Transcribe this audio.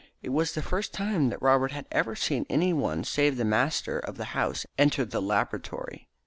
It was the first time that Robert had ever seen any one save the master of the house enter the laboratory.